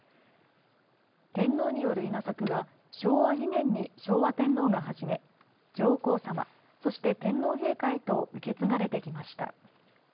天皇による稲作は昭和２年に昭和天皇が始め、上皇さま、そして天皇陛下へと受け継がれてきました。